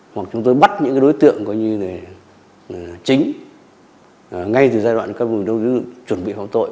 hoặc chúng tôi bắt những đối tượng chính ngay từ giai đoạn các vùng đối tượng chuẩn bị phạm tội